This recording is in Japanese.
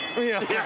いや